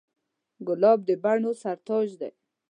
ګلاب د بڼو سر تاج دی.